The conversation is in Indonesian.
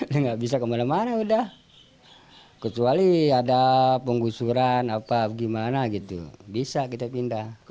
tidak ada penggusuran apa bagaimana gitu bisa kita pindah